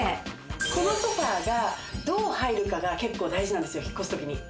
このソファーがどう入るかが結構重要なんです、引っ越すときに。